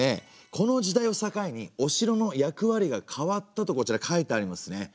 この時代を境にお城の役割が変わったとこちら書いてありますね。